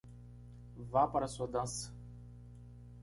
Vá para a sua dança!